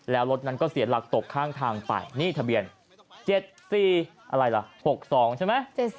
แล้วรถนั้นก็เสียหลักตกข้างทางไปนี่ทะเบียน๗๔อะไรล่ะ๖๒ใช่ไหม